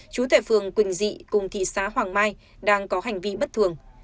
chú tệ phương quỳnh dị cùng thị xã hoàng mai đang có hành vi bất thường